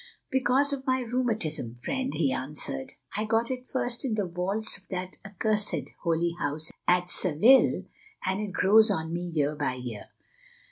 "Because of my rheumatism, friend," he answered. "I got it first in the vaults of that accursed Holy House at Seville, and it grows on me year by year.